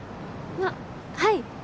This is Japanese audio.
あっはい！